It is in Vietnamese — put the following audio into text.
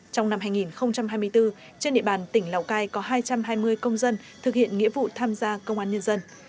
trong năm hai nghìn hai mươi bốn trên địa bàn tỉnh lào cai có hai trăm hai mươi công dân thực hiện nghĩa vụ tham gia công an nhân dân